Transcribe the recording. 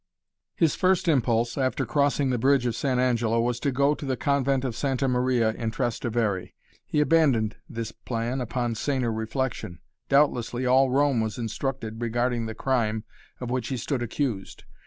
His first impulse, after crossing the bridge of San Angelo, was to go to the Convent of Santa Maria in Trastevere. He abandoned this plan upon saner reflection. Doubtlessly all Rome was instructed regarding the crime of which he stood accused.